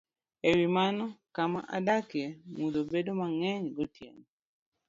E wi mano, kama adakie mudho bedo mang'eny gotieno,